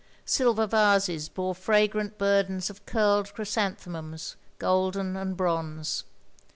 Silver vases bore fragrant burdens of curled chrysanthemums, golden and bronze.